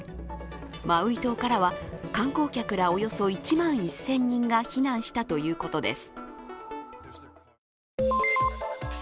マウイ島からは観光客らおよそ１万１０００人が避難したということです。